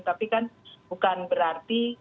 tapi kan bukan berarti